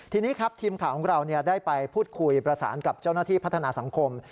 ทีนี้ครับทีมข่าวของเราได้ไปพูดคุยประสานกับเจ้าหน้าที่พัฒนาสังคม